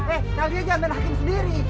eh kalian jangan pengen hakim sendiri